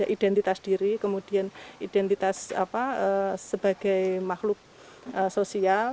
identitas diri kemudian identitas apa sebagai makhluk sosial